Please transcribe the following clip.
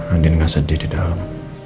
andin gak sedih di dalam